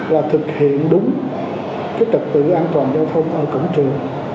là thực hiện đúng trật tự an toàn giao thông ở cổng trường